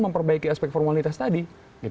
memperbaiki aspek formalitas tadi